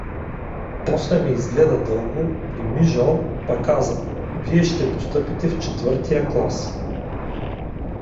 После ме изгледа дълго, примижал, па каза: — Вие ще постъпите в четвъртия клас.